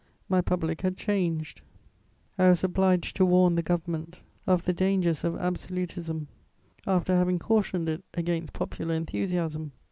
My public had changed. I was obliged to warn the Government of the dangers of absolutism, after having cautioned it against popular enthusiasm.